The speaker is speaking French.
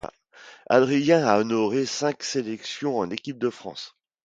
Adrien a honoré cinq sélections en équipe de France.